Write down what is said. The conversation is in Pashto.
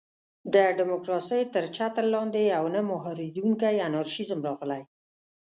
د ډیموکراسۍ تر چتر لاندې یو نه مهارېدونکی انارشېزم راغلی.